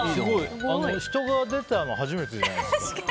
人が出たの初めてじゃない？